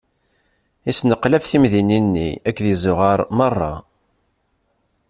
Isneqlab timdinin-nni akked izuɣar meṛṛa.